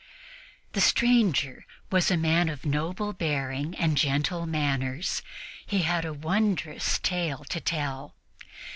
The stranger was a man of noble bearing and gentle manners. He had a wondrous tale to tell.